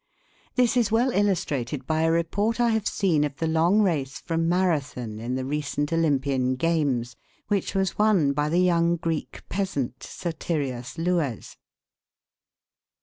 This is well illustrated by a report I have seen of the long race from Marathon in the recent Olympian games, which was won by the young Greek peasant, Sotirios Louès.